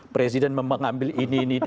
presiden mengambil ini